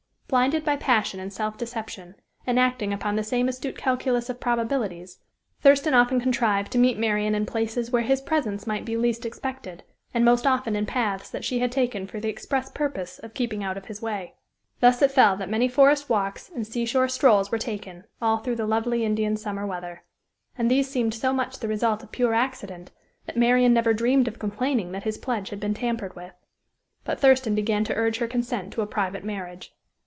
Blinded by passion and self deception, and acting upon the same astute calculus of probabilities, Thurston often contrived to meet Marian in places where his presence might be least expected, and most often in paths that she had taken for the express purpose of keeping out of his way. Thus it fell that many forest walks and seashore strolls were taken, all through the lovely Indian summer weather. And these seemed so much the result of pure accident that Marian never dreamed of complaining that his pledge had been tampered with. But Thurston began to urge her consent to a private marriage.